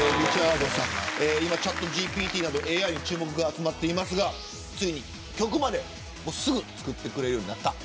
チャットＧＰＴなどＡＩに注目が集まっていますがついに曲まで、すぐに作ってくれるようになった。